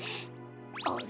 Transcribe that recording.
あれ？